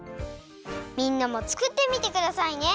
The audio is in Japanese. みんなもつくってみてくださいね。